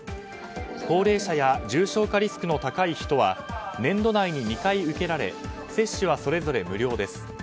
高齢者は重症化リスクの高い人は年度内に２回受けられ接種はそれぞれ無料です。